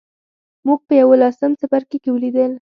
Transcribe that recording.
موږ په یوولسم څپرکي کې ولیدل.